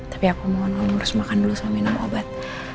tapi aku mohon harus makan dulu sama minum obat